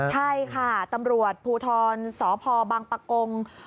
ใช่ค่ะตำรวจภูทรสพบังปะกง